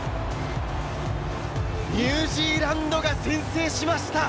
ニュージーランドが先制しました。